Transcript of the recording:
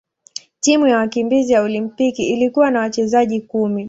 Timu ya wakimbizi ya Olimpiki ilikuwa na wachezaji kumi.